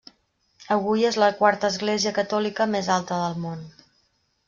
Avui és la quarta església catòlica més alta del món.